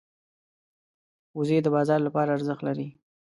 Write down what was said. وزې د بازار لپاره ارزښت لري